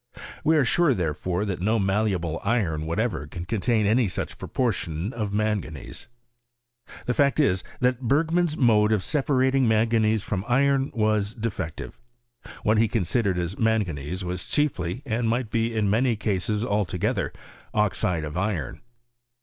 We are sure, therefore, that no malleable iron what ever can contain any such proportion of manganese. The fact is, that Bergman's mode of separating man ganese from iron was defective. What he considered as manganese was chiefly, and might be in many cases altogether, oxide of iron.